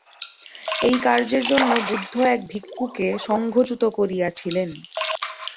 এই কার্যের জন্য বুদ্ধ এক ভিক্ষুকে সঙ্ঘচ্যুত করিয়াছিলেন।